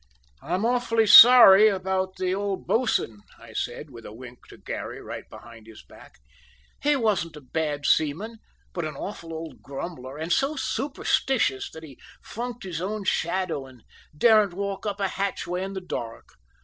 "I'm awfully sorry about the old bo'sun," I said with a wink to Garry, right behind his back. "He wasn't a bad seaman, but an awful old grumbler, and so superstitious that he funked his own shadow and daren't walk up a hatchway in the dark.